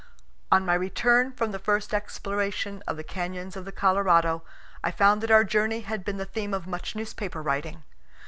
On my return from the first exploration of the canyons of the Colorado, I found that our journey had been the theme of much newspaper writing.